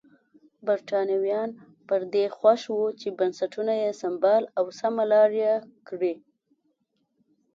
برېټانویان پر دې خوښ وو چې بنسټونه یې سمبال او سمه لار یې کړي.